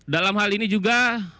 dalam hal ini juga